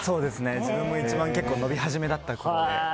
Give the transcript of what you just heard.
自分も一番伸びはじめだったころで。